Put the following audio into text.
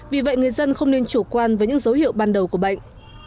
vì vậy người dân không nên chủ quan với những dấu hiệu ban đầu của bệnh